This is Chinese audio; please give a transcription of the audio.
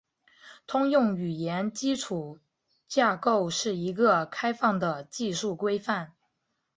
通用语言基础架构是一个开放的技术规范。